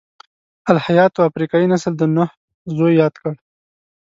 الهیاتو افریقايي نسل د نوح زوی یاد کړ.